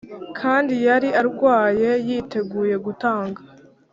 kandi yari arwaye yiteguye gutanga.